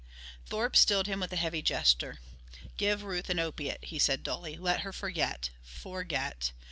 Thorpe stilled him with a heavy gesture. "Give Ruth an opiate," he said dully. "Let her forget ... forget!...